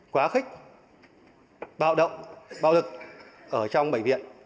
quá khích bạo động bạo lực ở trong bệnh viện